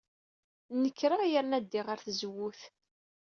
Nekreɣ yerna ddiɣ ɣer tzewwut.